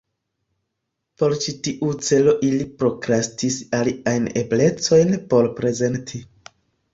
Por ĉi tiu celo ili prokrastis aliajn eblecojn por prezenti.